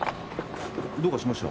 どうかしました。